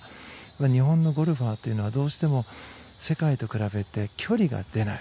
日本のゴルファーというのはどうしても世界と比べて距離が出ない。